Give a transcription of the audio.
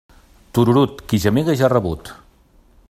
Tururut, qui gemega ja ha rebut.